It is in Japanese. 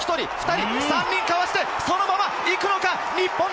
３人かわして、そのままいくのか？